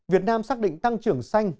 việt nam xác định tăng trưởng xanh